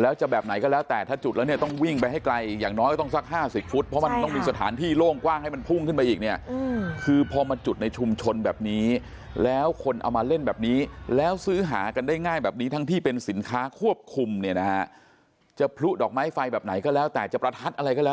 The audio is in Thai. แล้วจะแบบไหนก็แล้วแต่ถ้าจุดแล้วเนี่ยต้องวิ่งไปให้ไกลอย่างน้อยต้องสัก๕๐ฟุตเพราะมันต้องมีสถานที่โล่งกว้างให้มันพุ่งขึ้นไปอีกเนี่ยคือพอมาจุดในชุมชนแบบนี้แล้วคนเอามาเล่นแบบนี้แล้วซื้อหากันได้ง่ายแบบนี้ทั้งที่เป็นสินค้าควบคุมเนี่ยนะคะจะพลุดอกไม้ไฟแบบไหนก็แล้วแต่จะประทัดอะไรก็แล